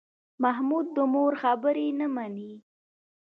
محمود د مور خبرې نه مني.